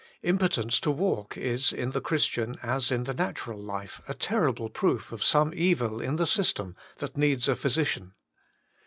Impotence to walk is, in the Christian, as in the natural life, a terrible proof of some evil in the system that needs a physician.